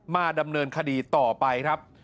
มาดำเนินคดีต่อไปครับ